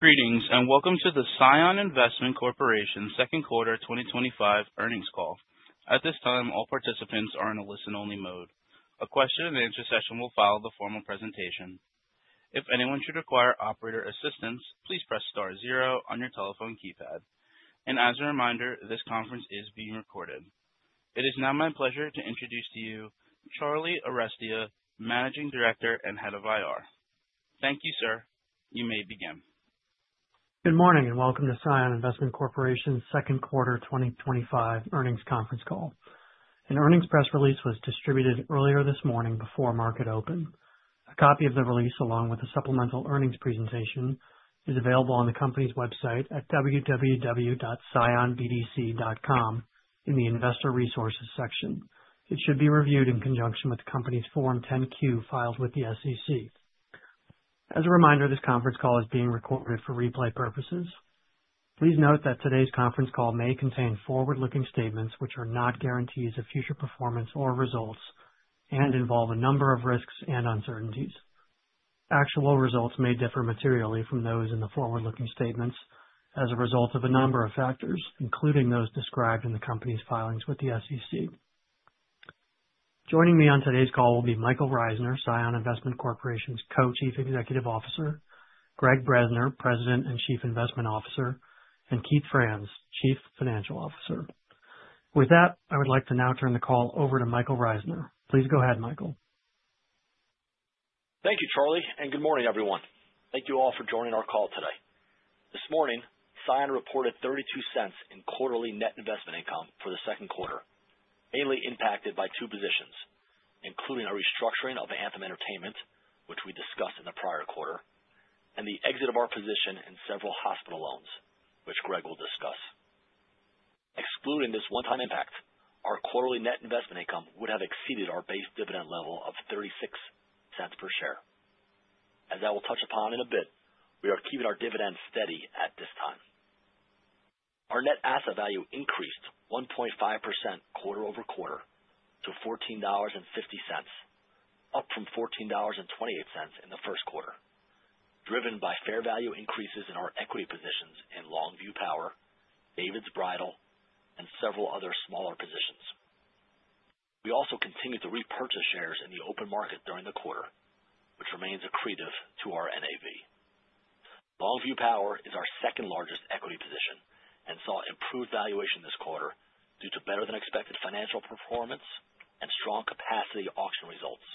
Greetings and welcome to the CION Investment Corporation's Second Quarter 2025 Earnings Call. At this time, all participants are in a listen-only mode. A question and answer session will follow the formal presentation. If anyone should require operator assistance, please press star zero on your telephone keypad. As a reminder, this conference is being recorded. It is now my pleasure to introduce to you Charlie Arestia, Managing Director and Head of IR. Thank you, sir. You may begin. Good morning and welcome to CION Investment Corporation's Second Quarter 2025 Earnings Conference Call. An earnings press release was distributed earlier this morning before market open. A copy of the release, along with a supplemental earnings presentation, is available on the company's website at www.cionbdc.com in the Investor Resources section. It should be reviewed in conjunction with the company's Form 10-Q filed with the SEC. As a reminder, this conference call is being recorded for replay purposes. Please note that today's conference call may contain forward-looking statements, which are not guarantees of future performance or results, and involve a number of risks and uncertainties. Actual results may differ materially from those in the forward-looking statements as a result of a number of factors, including those described in the company's filings with the SEC. Joining me on today's call will be Michael Reisner, CION Investment Corporation's Co-Chief Executive Officer, Gregg Bresner, President and Chief Investment Officer, and Keith Franz, Chief Financial Officer. With that, I would like to now turn the call over to Michael Reisner. Please go ahead, Michael. Thank you, Charlie, and good morning, everyone. Thank you all for joining our call today. This morning, CION reported $0.32 in quarterly net investment income for the second quarter, mainly impacted by two positions, including a restructuring of Anthem Entertainment, which we discussed in the prior quarter, and the exit of our position in several hospital loans, which Gregg will discuss. Excluding this one-time impact, our quarterly net investment income would have exceeded our base dividend level of $0.36 per share. As I will touch upon in a bit, we are keeping our dividends steady at this time. Our net asset value increased 1.5% quarter-over-quarter to $14.50, up from $14.28 in the first quarter, driven by fair value increases in our equity positions in Longview Power, David’s Bridal, and several other smaller positions. We also continued to repurchase shares in the open market during the quarter, which remains accretive to our NAV. Longview Power is our second largest equity position and saw improved valuation this quarter due to better-than-expected financial performance and strong capacity auction results.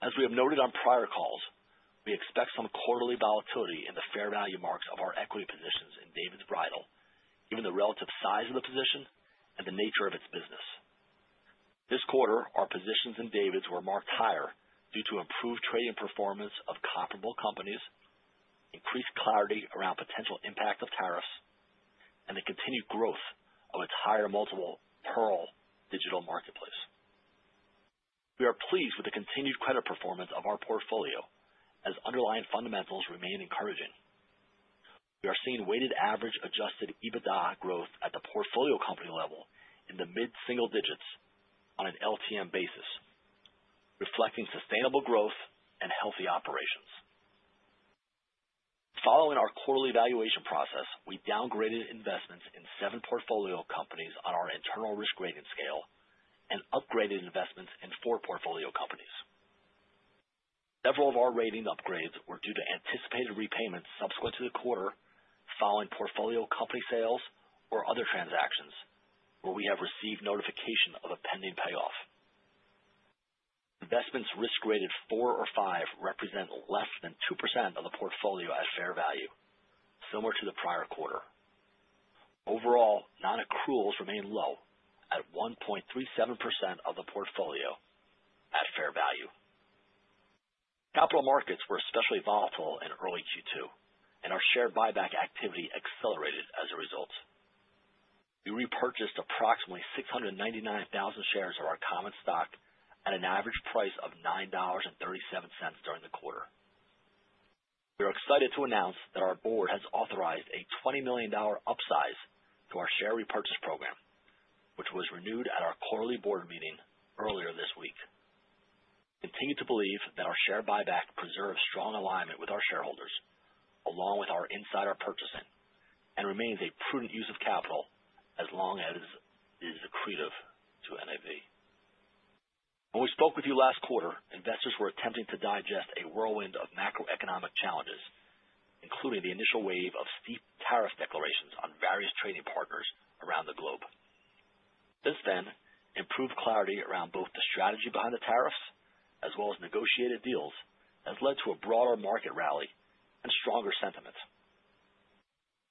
As we have noted on prior calls, we expect some quarterly volatility in the fair value marks of our equity positions in David’s Bridal, given the relative size of the position and the nature of its business. This quarter, our positions in David’s were marked higher due to improved trading performance of comparable companies, increased clarity around the potential impact of tariffs, and the continued growth of its higher multiple Pearl digital marketplace. We are pleased with the continued credit performance of our portfolio, as underlying fundamentals remain encouraging. We are seeing weighted average adjusted EBITDA growth at the portfolio company level in the mid-single digits on an LTM basis, reflecting sustainable growth and healthy operations. Following our quarterly evaluation process, we downgraded investments in seven portfolio companies on our internal risk rating scale and upgraded investments in four portfolio companies. Several of our rating upgrades were due to anticipated repayments subsequent to the quarter following portfolio company sales or other transactions, where we have received notification of a pending payoff. Investments risk-rated four or five represent less than 2% of the portfolio at fair value, similar to the prior quarter. Overall, non-accruals remain low at 1.37% of the portfolio at fair value. Capital markets were especially volatile in early Q2, and our share buyback activity accelerated as a result. We repurchased approximately 699,000 shares of our common stock at an average price of $9.37 during the quarter. We are excited to announce that our board has authorized a $20 million upsize to our share repurchase program, which was renewed at our quarterly board meeting earlier this week. We continue to believe that our share buyback preserves strong alignment with our shareholders, along with our insider purchasing, and remains a prudent use of capital as long as it is accretive to NAV. When we spoke with you last quarter, investors were attempting to digest a whirlwind of macroeconomic challenges, including the initial wave of steep tariff declarations on various trading partners around the globe. Since then, improved clarity around both the strategy behind the tariffs as well as negotiated deals has led to a broader market rally and stronger sentiment.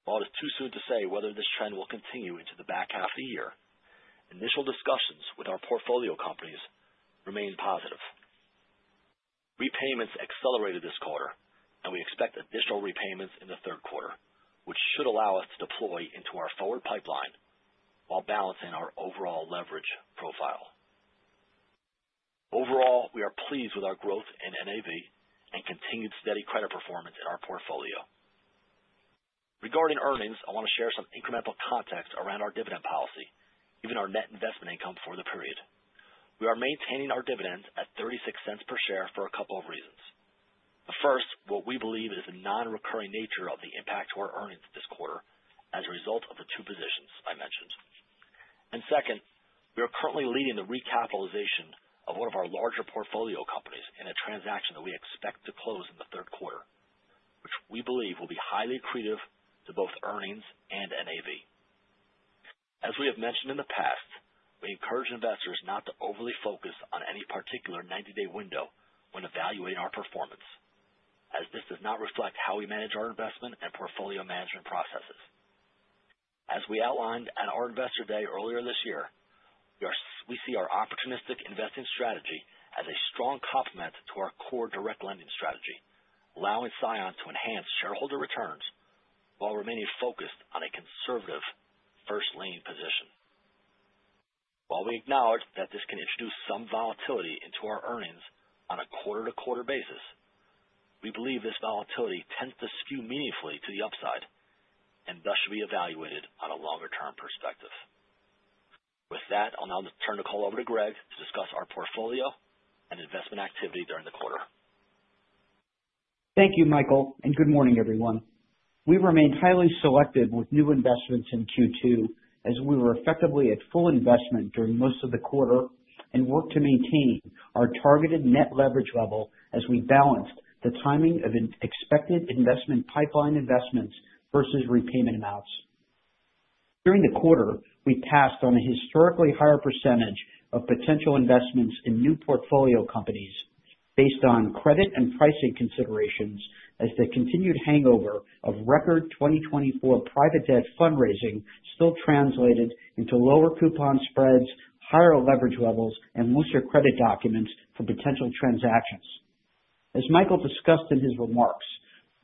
While it is too soon to say whether this trend will continue into the back half of the year, initial discussions with our portfolio companies remain positive. Repayments accelerated this quarter, and we expect additional repayments in the third quarter, which should allow us to deploy into our forward pipeline while balancing our overall leverage profile. Overall, we are pleased with our growth in NAV and continued steady credit performance in our portfolio. Regarding earnings, I want to share some incremental context around our dividend policy, given our net investment income for the period. We are maintaining our dividends at $0.36 per share for a couple of reasons. The first, what we believe is the non-recurring nature of the impact to our earnings this quarter as a result of the two positions I mentioned. Second, we are currently leading the recapitalization of one of our larger portfolio companies in a transaction that we expect to close in the third quarter. We believe it will be highly accretive to both earnings and NAV. As we have mentioned in the past, we encourage investors not to overly focus on any particular 90-day window when evaluating our performance, as this does not reflect how we manage our investment and portfolio management processes. As we outlined at our Investor Day earlier this year, we see our opportunistic investing strategy as a strong complement to our core direct lending strategy, allowing CION to enhance shareholder returns while remaining focused on a conservative first lien position. While we acknowledge that this can introduce some volatility into our earnings on a quarter-to-quarter basis, we believe this volatility tends to skew meaningfully to the upside and thus should be evaluated on a longer-term perspective. With that, I'll now turn the call over to Gregg to discuss our portfolio and investment activity during the quarter. Thank you, Michael, and good morning, everyone. We remained highly selective with new investments in Q2 as we were effectively at full investment during most of the quarter and worked to maintain our targeted net leverage level as we balanced the timing of expected investment pipeline investments versus repayment amounts. During the quarter, we passed on a historically higher percentage of potential investments in new portfolio companies based on credit and pricing considerations as the continued hangover of record 2024 private debt fundraising still translated into lower coupon spreads, higher leverage levels, and looser credit documents for potential transactions. As Michael discussed in his remarks,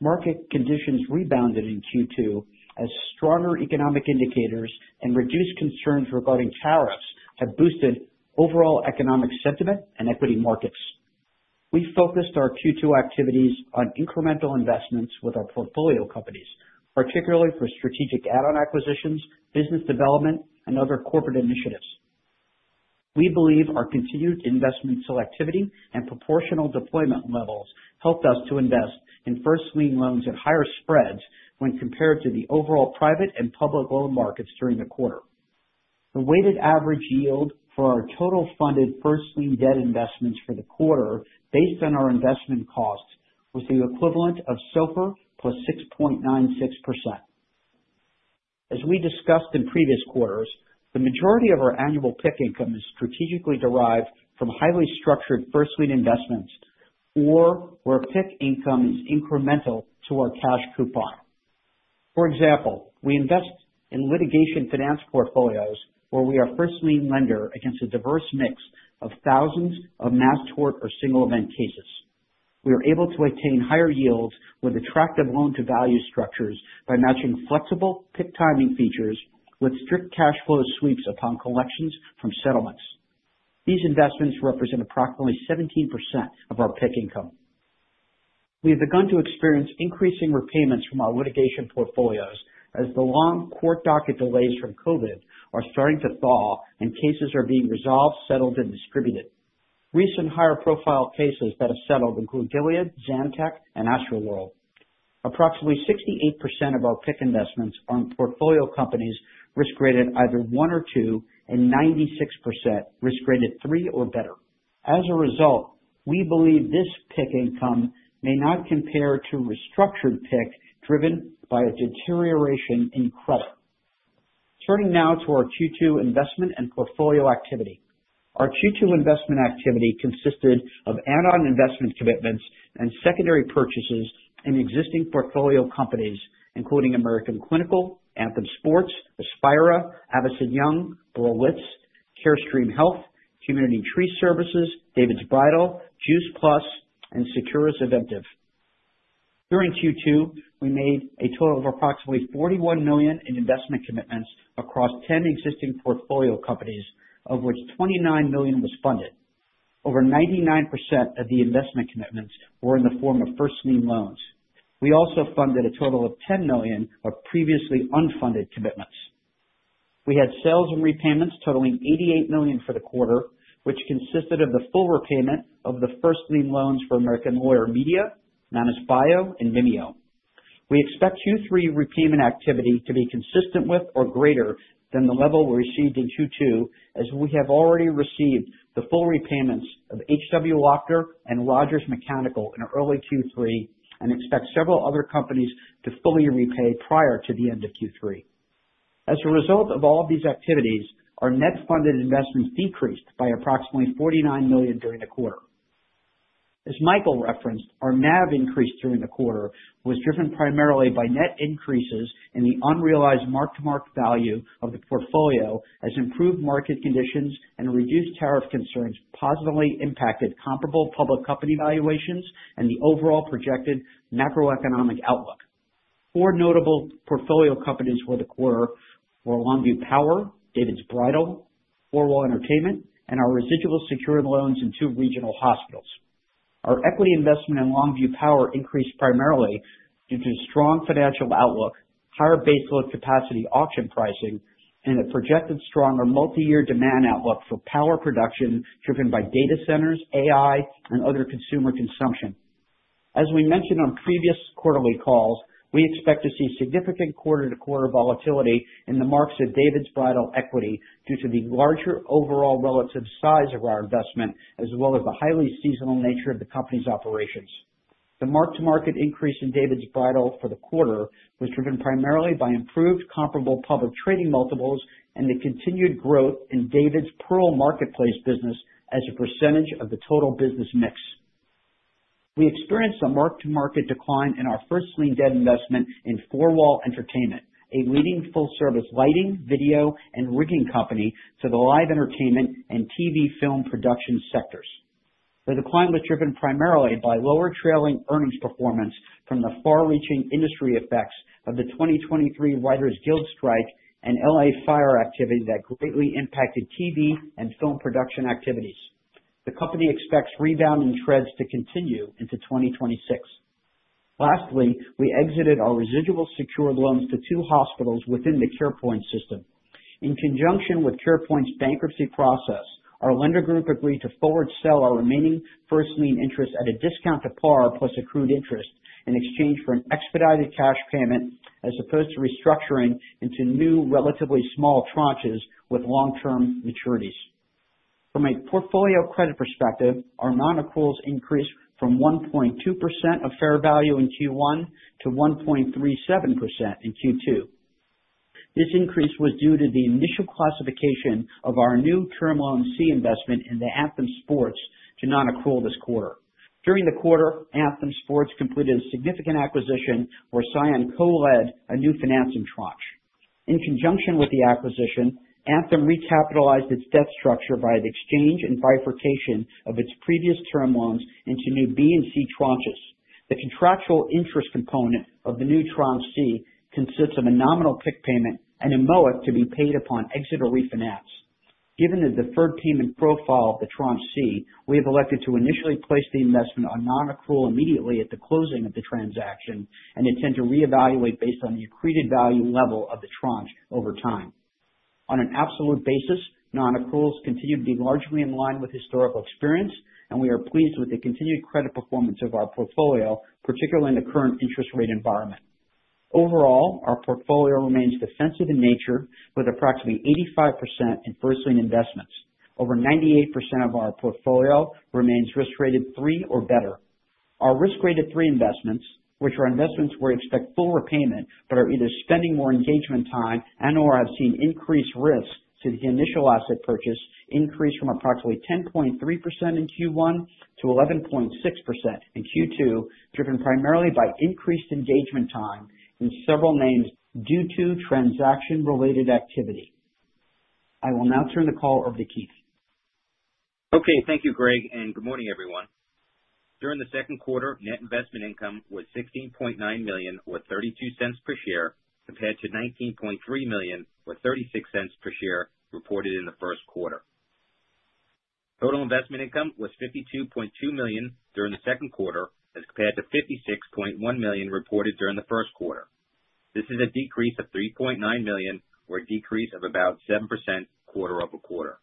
market conditions rebounded in Q2 as stronger economic indicators and reduced concerns regarding tariffs have boosted overall economic sentiment and equity markets. We focused our Q2 activities on incremental investments with our portfolio companies, particularly for strategic add-on acquisitions, business development, and other corporate initiatives. We believe our continued investment selectivity and proportional deployment levels helped us to invest in first lien loans at higher spreads when compared to the overall private and public loan markets during the quarter. The weighted average yield for our total funded first lien debt investments for the quarter, based on our investment costs, was the equivalent of SOFR +6.96%. As we discussed in previous quarters, the majority of our annual PIK income is strategically derived from highly structured first lien investments or where PIK income is incremental to our cash coupon. For example, we invest in litigation finance portfolios where we are a first lien lender against a diverse mix of thousands of mass tort or single event cases. We are able to attain higher yields with attractive loan-to-value structures by matching flexible PIK timing features with strict cash flow sweeps upon collections from settlements. These investments represent approximately 17% of our PIK income. We have begun to experience increasing repayments from our litigation portfolios as the long court docket delays from COVID are starting to thaw and cases are being resolved, settled, and distributed. Recent higher profile cases that have settled include Gilead, Zantac, and Astroworld. Approximately 68% of our PIK investments are in portfolio companies risk-rated either one or two, and 96% risk-rated three or better. As a result, we believe this PIK income may not compare to restructured PIK driven by a deterioration in credit. Turning now to our Q2 investment and portfolio activity. Our Q2 investment activity consisted of add-on investment commitments and secondary purchases in existing portfolio companies, including American Clinical, Anthem Sports, [Aspira], Avison Young, [Berlitz], Carestream Health, Community Tree Services, David’s Bridal, Juice Plus+, and Securus Aventiv. During Q2, we made a total of approximately $41 million in investment commitments across 10 existing portfolio companies, of which $29 million was funded. Over 99% of the investment commitments were in the form of first lien loans. We also funded a total of $10 million of previously unfunded commitments. We had sales and repayments totaling $88 million for the quarter, which consisted of the full repayment of the first lien loans for American Lawyer Media, [Manus Bio], and [Vimeo]. We expect Q3 repayment activity to be consistent with or greater than the level we received in Q2, as we have already received the full repayments of HW Lochner and Rogers Mechanical in early Q3 and expect several other companies to fully repay prior to the end of Q3. As a result of all of these activities, our net funded investments decreased by approximately $49 million during the quarter. As Michael referenced, our NAV increase during the quarter was driven primarily by net increases in the unrealized mark-to-market value of the portfolio as improved market conditions and reduced tariff concerns positively impacted comparable public company valuations and the overall projected macroeconomic outlook. Four notable portfolio companies for the quarter were Longview Power, David’s Bridal, Anthem Entertainment, and our residual senior secured loans in two regional hospitals. Our equity investment in Longview Power increased primarily due to a strong financial outlook, higher baseload capacity auction pricing, and a projected stronger multi-year demand outlook for power production driven by data centers, AI, and other consumer consumption. As we mentioned on previous quarterly calls, we expect to see significant quarter-to-quarter volatility in the marks of David’s Bridal equity due to the larger overall relative size of our investment, as well as the highly seasonal nature of the company's operations. The mark-to-market increase in David’s Bridal for the quarter was driven primarily by improved comparable public trading multiples and the continued growth in David’s Pearl marketplace business as a percentage of the total business mix. We experienced a mark-to-market decline in our first lien debt investment in 4Wall Entertainment, a leading full-service lighting, video, and rigging company for the live entertainment and TV film production sectors. The decline was driven primarily by lower trailing earnings performance from the far-reaching industry effects of the 2023 Writers Guild strike and LA fire activity that greatly impacted TV and film production activities. The company expects rebounding trends to continue into 2026. Lastly, we exited our residual senior secured loans to two hospitals within the CarePoint system. In conjunction with CarePoint’s bankruptcy process, our lender group agreed to forward sell our remaining first lien interest at a discount to par plus accrued interest in exchange for an expedited cash payment as opposed to restructuring into new relatively small tranches with long-term maturities. From a portfolio credit perspective, our non-accruals increased from 1.2% of fair value in Q1 to 1.37% in Q2. This increase was due to the initial classification of our new term loan C investment in Anthem Sports to non-accrual this quarter. During the quarter, Anthem Sports completed a significant acquisition where CION co-led a new financing tranche. In conjunction with the acquisition, Anthem recapitalized its debt structure by the exchange and bifurcation of its previous term loans into new B and C tranches. The contractual interest component of the new tranche C consists of a nominal PIK payment and a [MOAT] to be paid upon exit or refinance. Given the deferred payment profile of the tranche C, we have elected to initially place the investment on non-accrual immediately at the closing of the transaction and intend to reevaluate based on the accredited value level of the tranche over time. On an absolute basis, non-accruals continue to be largely in line with historical experience, and we are pleased with the continued credit performance of our portfolio, particularly in the current interest rate environment. Overall, our portfolio remains defensive in nature with approximately 85% in first lien investments. Over 98% of our portfolio remains risk-rated three or better. Our risk-rated three investments, which are investments where we expect full repayment but are either spending more engagement time and/or have seen increased risk to the initial asset purchase, increased from approximately 10.3% in Q1 to 11.6% in Q2, driven primarily by increased engagement time in several names due to transaction-related activity. I will now turn the call over to Keith. Okay, thank you, Gregg, and good morning, everyone. During the second quarter, net investment income was $16.9 million with $0.32 per share compared to $19.3 million with $0.36 per share reported in the first quarter. Total investment income was $52.2 million during the second quarter as compared to $56.1 million reported during the first quarter. This is a decrease of $3.9 million or a decrease of about 7% quarter-over-quarter.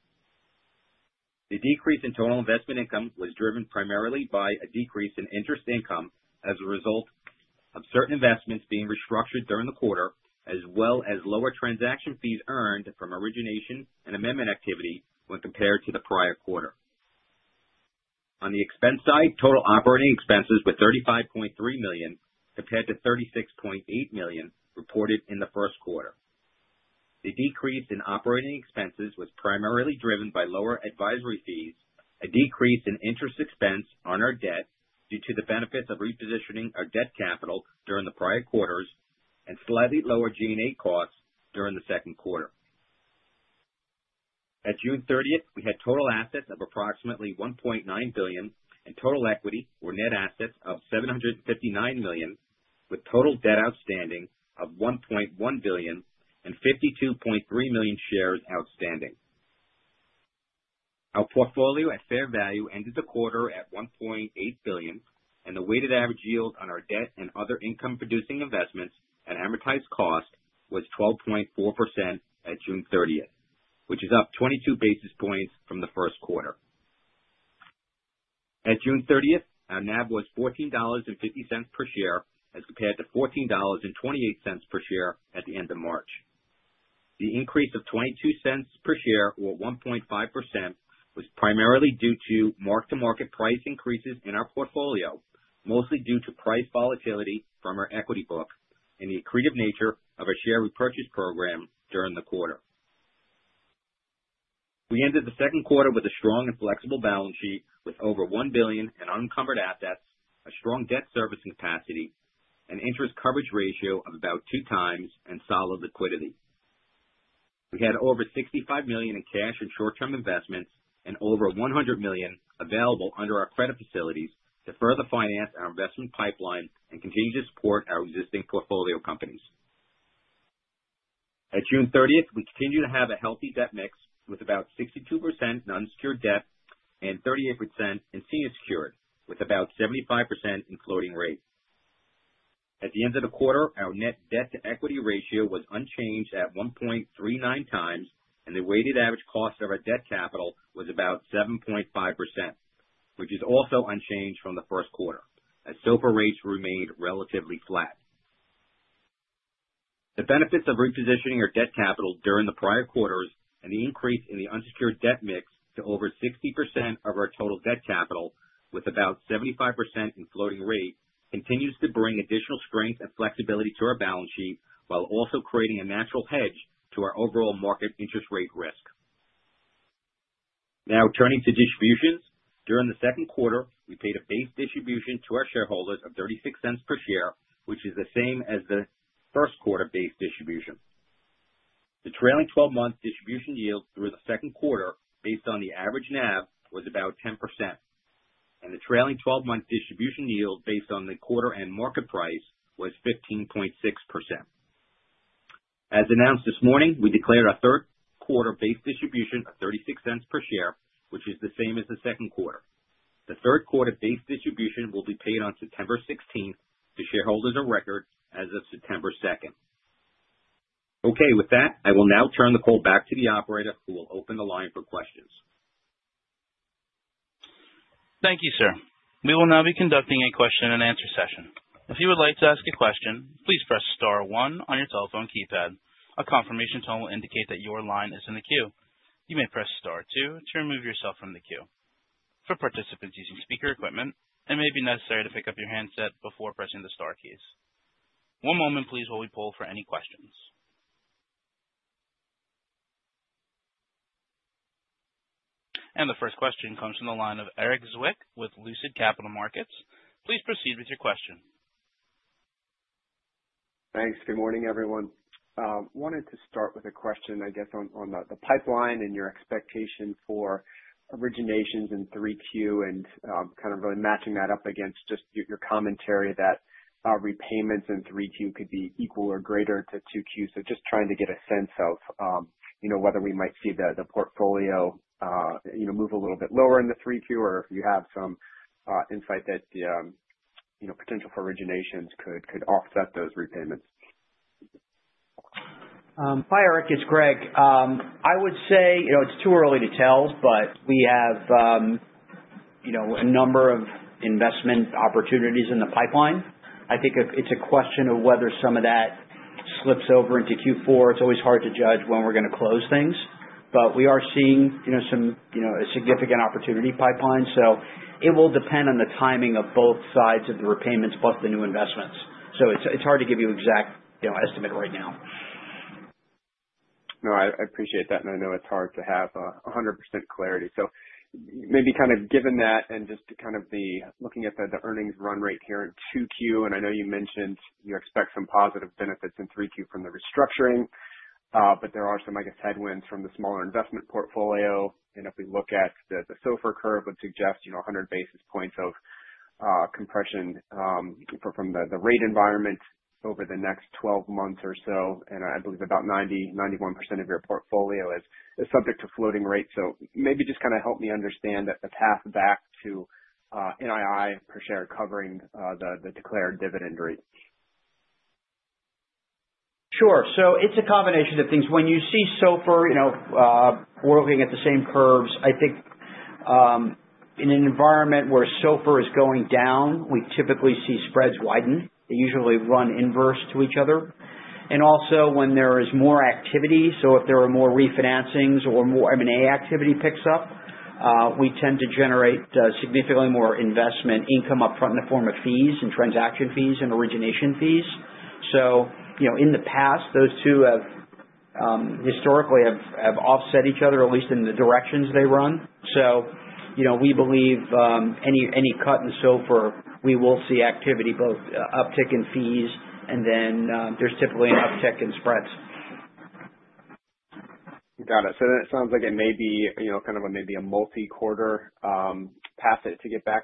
The decrease in total investment income was driven primarily by a decrease in interest income as a result of certain investments being restructured during the quarter, as well as lower transaction fees earned from origination and amendment activity when compared to the prior quarter. On the expense side, total operating expenses were $35.3 million compared to $36.8 million reported in the first quarter. The decrease in operating expenses was primarily driven by lower advisory fees, a decrease in interest expense on our debt due to the benefits of repositioning our debt capital during the prior quarters, and slightly lower G&A costs during the second quarter. At June 30th, we had total assets of approximately $1.9 billion, and total equity or net assets of $759 million, with total debt outstanding of $1.1 billion and 52.3 million shares outstanding. Our portfolio at fair value ended the quarter at $1.8 billion, and the weighted average yield on our debt and other income-producing investments at amortized cost was 12.4% at June 30th, which is up 22 basis points from the first quarter. At June 30th, our NAV was $14.50 per share as compared to $14.28 per share at the end of March. The increase of $0.22 per share or 1.5% was primarily due to mark-to-market price increases in our portfolio, mostly due to price volatility from our equity book and the accretive nature of our share repurchase program during the quarter. We ended the second quarter with a strong and flexible balance sheet with over $1 billion in unencumbered assets, a strong debt servicing capacity, an interest coverage ratio of about two times, and solid liquidity. We had over $65 million in cash and short-term investments and over $100 million available under our credit facilities to further finance our investment pipeline and continue to support our existing portfolio companies. At June 30th, we continued to have a healthy debt mix with about 62% non-secured debt and 38% in senior secured, with about 75% in floating rate. At the end of the quarter, our net debt-to-equity ratio was unchanged at 1.39x, and the weighted average cost of our debt capital was about 7.5%, which is also unchanged from the first quarter, as SOFR rates remained relatively flat. The benefits of repositioning our debt capital during the prior quarters and the increase in the unsecured debt mix to over 60% of our total debt capital with about 75% in floating rate continue to bring additional strength and flexibility to our balance sheet while also creating a natural hedge to our overall market interest rate risk. Now, turning to distributions, during the second quarter, we paid a base distribution to our shareholders of $0.36 per share, which is the same as the first quarter base distribution. The trailing 12-month distribution yield through the second quarter, based on the average NAV, was about 10%, and the trailing 12-month distribution yield based on the quarter-end market price was 15.6%. As announced this morning, we declared our third quarter base distribution of $0.36 per share, which is the same as the second quarter. The third quarter base distribution will be paid on September 16th to shareholders on record as of September 2nd. Okay, with that, I will now turn the call back to the operator who will open the line for questions. Thank you, sir. We will now be conducting a question and answer session. If you would like to ask a question, please press star one on your telephone keypad. A confirmation tone will indicate that your line is in the queue. You may press star two to remove yourself from the queue. For participants using speaker equipment, it may be necessary to pick up your handset before pressing the star keys. One moment, please, while we poll for any questions. The first question comes from the line of Erik Zwick with Lucid Capital Markets. Please proceed with your question. Thanks. Good morning, everyone. I wanted to start with a question on the pipeline and your expectation for originations in 3Q and really matching that up against your commentary that repayments in 3Q could be equal or greater to 2Q. I am just trying to get a sense of whether we might see the portfolio move a little bit lower in the 3Q or if you have some insight that the potential for originations could offset those repayments. Hi, Erik. It's Gregg. I would say it's too early to tell, but we have a number of investment opportunities in the pipeline. I think it's a question of whether some of that slips over into Q4. It's always hard to judge when we're going to close things. We are seeing a significant opportunity pipeline. It will depend on the timing of both sides of the repayments, plus the new investments. It's hard to give you an exact estimate right now. I appreciate that. I know it's hard to have 100% clarity. Given that and just looking at the earnings run rate here in 2Q, I know you mentioned you expect some positive benefits in 3Q from the restructuring, but there are some headwinds from the smaller investment portfolio. If we look at the SOFR curve, it suggests 100 basis points of compression from the rate environment over the next 12 months or so. I believe about 90%-91% of your portfolio is subject to floating rates. Maybe just help me understand the path back to NII per share covering the declared dividend rate. Sure. It's a combination of things. When you see SOFR, you know, we're looking at the same curves. I think in an environment where SOFR is going down, we typically see spreads widen. They usually run inverse to each other. Also, when there is more activity, if there are more refinancings or more M&A activity picks up, we tend to generate significantly more investment income upfront in the form of fees, transaction fees, and origination fees. In the past, those two have historically offset each other, at least in the directions they run. We believe any cut in SOFR, we will see activity, both uptick in fees, and then there's typically an uptick in spreads. That sounds like it may be kind of a maybe a multi-quarter path to get back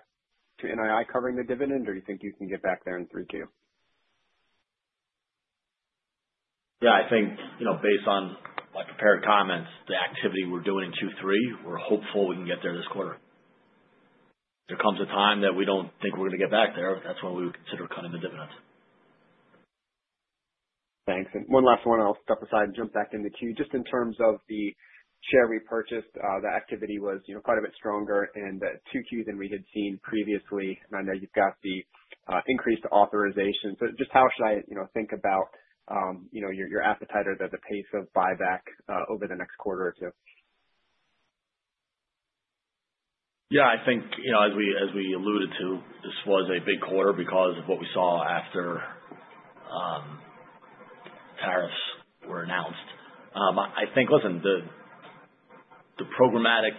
to NII covering the dividend, or do you think you can get back there in 3Q? Yeah, I think, you know, based on the prepared comments, the activity we're doing in Q3, we're hopeful we can get there this quarter. If there comes a time that we don't think we're going to get back there, that's when we would consider cutting the dividends. Thanks. One last one, I'll step aside and jump back into Q. In terms of the share repurchase, the activity was quite a bit stronger in the 2Q than we had seen previously. I know you've got the increased authorization. How should I think about your appetite or the pace of buyback over the next quarter or two? I think, as we alluded to, this was a big quarter because of what we saw after tariffs were announced. The programmatic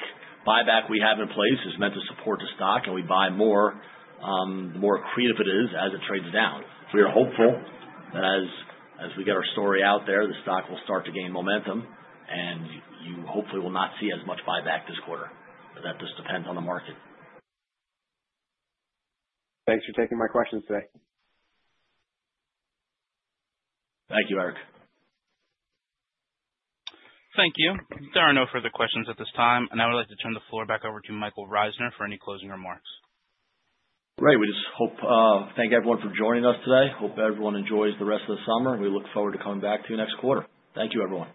buyback we have in place is meant to support the stock, and we buy more the more accretive it is as it trades down. We are hopeful that as we get our story out there, the stock will start to gain momentum, and you hopefully will not see as much buyback this quarter. That just depends on the market. Thanks for taking my questions today. Thank you, Erik. Thank you. There are no further questions at this time, and I would like to turn the floor back over to Michael Reisner for any closing remarks. Great. We just want to thank everyone for joining us today. Hope everyone enjoys the rest of the summer, and we look forward to coming back to you next quarter. Thank you, everyone.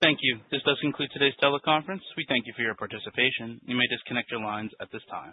Thank you. This does conclude today's teleconference. We thank you for your participation. You may disconnect your lines at this time.